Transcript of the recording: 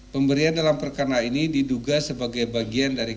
pemberian dalam perkara ini diduga sebagai bagian dari